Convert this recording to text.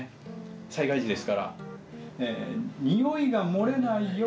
災害時ですから。